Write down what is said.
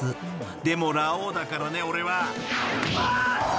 ［でもラオウだからね俺は］